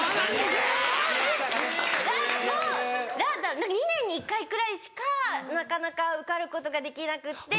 だから２年に１回くらいしかなかなか受かることができなくって。